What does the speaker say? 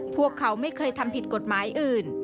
พวกเขาไม่เคยทำผิดกฎหมายอื่น